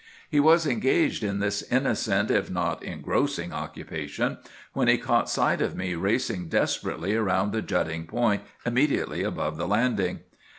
He was engaged in this innocent if not engrossing occupation when he caught sight of me racing desperately around the jutting point immediately above the landing.